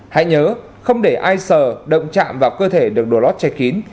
hãy nhớ không để ai sờ động chạm vào cơ thể được đồ lót che kín